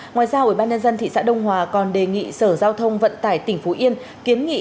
ngoài ra ubnd thị xã đông hòa còn đề nghị sở giao thông vận tải tỉnh phú yên kiến nghị